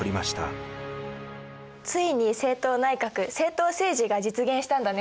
ついに政党内閣政党政治が実現したんだね。